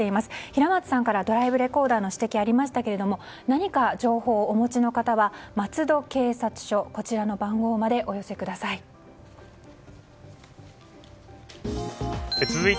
平松さんからドライブレコーダーの指摘がありましたが何か情報をお持ちの方は松戸警察署までお寄せください。